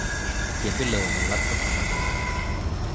เขียนไปเลยในรัฐธรรมนูญ